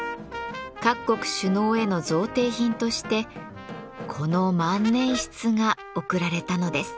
各国首脳への贈呈品としてこの万年筆が贈られたのです。